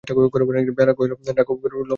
বেহারা কহিল, না, খুব গৌরবর্ণ, লম্বা একটি বাবু।